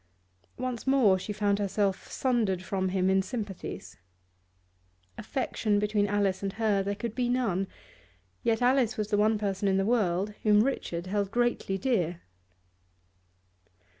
Once more she found herself sundered from him in sympathies. Affection between Alice and her there could be none, yet Alice was the one person in the world whom Richard held greatly dear.